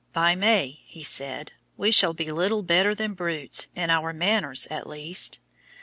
"By May," he said, "we shall be little better than brutes, in our manners at least."